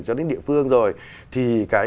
cho đến địa phương rồi thì cái